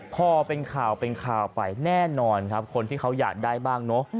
พอเป็นข่าวเป็นข่าวไปแน่นอนครับคนที่เขาอยากได้บ้างเนอะ